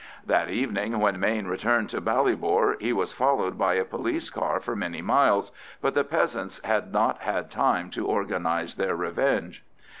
That evening, when Mayne returned to Ballybor, he was followed by a police car for many miles, but the peasants had not had time to organise their revenge.